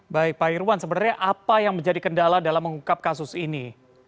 baik pak irwan sebenarnya apa yang menjadi kendala dalam mengungkap kasus ini